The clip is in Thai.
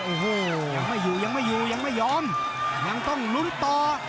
โอ้โหยังไม่อยู่ยังไม่ยอมยังต้องลุ้นต่อ